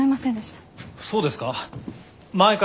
そうですか？